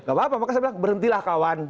gak apa apa makanya saya bilang berhentilah kawan